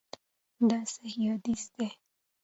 دا صحیح حدیث دی.